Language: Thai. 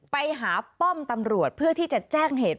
ไปหาป้อมตำรวจเพื่อที่จะแจ้งเหตุ